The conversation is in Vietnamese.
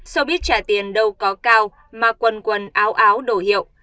xô bít trả tiền đâu có cao mà quần quần áo áo đổ hiệu